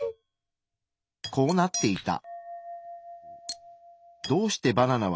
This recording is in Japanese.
こうなっていた。